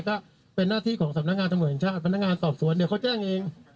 ก็เป็นหน้าที่ของสำนักงานตำรวจแห่งชาติพนักงานสอบสวนเดี๋ยวเขาแจ้งเอง